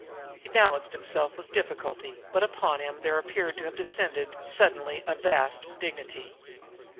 He balanced himself with difficulty, but upon him there appeared to have descended suddenly a vast dignity.